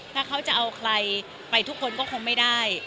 ถ้าเขาจะเอาใครไปทุกคนก็คงไม่ได้